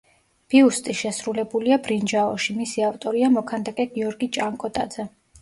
ბიუსტი შესრულებულია ბრინჯაოში, მისი ავტორია მოქანდაკე გიორგი ჭანკოტაძე.